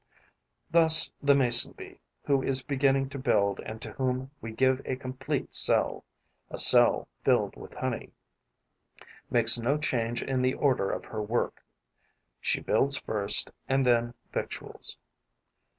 Thus the Mason bee who is beginning to build and to whom we give a complete cell, a cell filled with honey, makes no change in the order of her work: she builds first and then victuals.